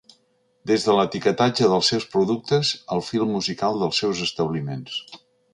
Des de l’etiquetatge dels seus productes al fil musical dels seus establiments.